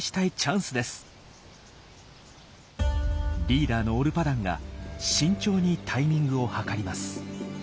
リーダーのオルパダンが慎重にタイミングを計ります。